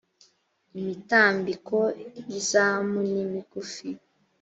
imitambiko yizamu nimigufi.